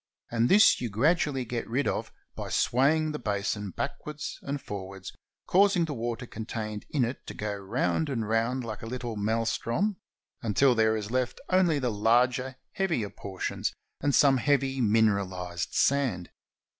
And this you gradually get rid of by swaying the basin backwards and forwards, causing the water contained in it to go round and round like a little maelstrom, until there is left only the larger, heavier portions, and some heavy mineralized sand.